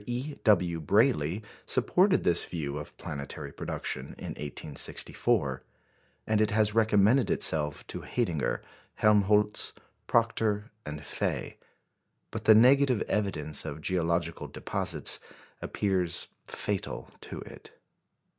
E. W. Brayley supported this view of planetary production in 1864, and it has recommended itself to Haidinger, Helmholtz, Proctor, and Faye. But the negative evidence of geological deposits appears fatal to it.